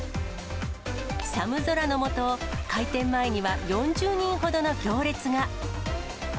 寒空の下、開店前には４０人ほどが行列が。